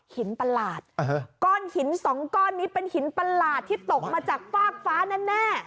ประหลาดก้อนหินสองก้อนนี้เป็นหินประหลาดที่ตกมาจากฟากฟ้าแน่